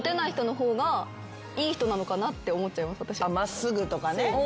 真っすぐとかね。